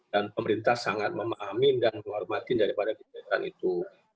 dan pemerintah sangat memahamin dan menghormati daripada kebijakan itu